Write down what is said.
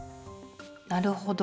なるほど。